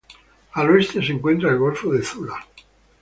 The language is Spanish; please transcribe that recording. Al oeste se encuentra el golfo de Zula.